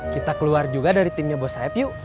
kita keluar juga dari timnya bos sayap yuk